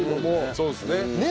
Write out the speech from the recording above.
そうですね。